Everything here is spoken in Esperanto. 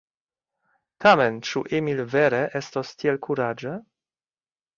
Tamen ĉu Emil vere estos tiel kuraĝa?